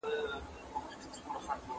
¬ د مړو هر وخت په قيامت رضا وي.